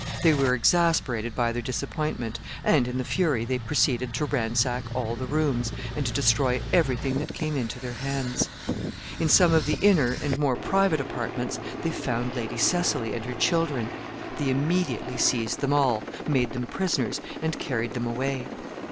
They were exasperated by their disappointment, and in their fury they proceeded to ransack all the rooms, and to destroy every thing that came into their hands. In some of the inner and more private apartments they found Lady Cecily and her children. They immediately seized them all, made them prisoners, and carried them away.